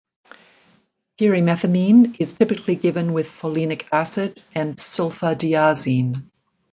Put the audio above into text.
Pyrimethamine is typically given with folinic acid and sulfadiazine.